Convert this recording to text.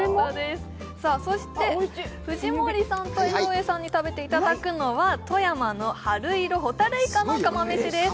藤森さんと江上さんに食べていただくのは富山の春色ほたるいかの釜めしです。